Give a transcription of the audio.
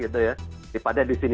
daripada di sini